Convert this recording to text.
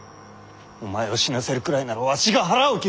お前を死なせるくらいならわしが腹を切る！